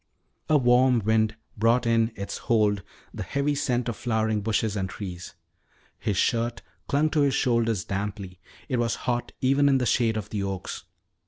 A warm wind brought in its hold the heavy scent of flowering bushes and trees. His shirt clung to his shoulders damply. It was hot even in the shade of the oaks.